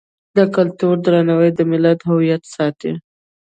د کلتور درناوی د ملت هویت ساتي.